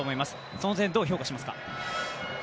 その点、どう評価されますか？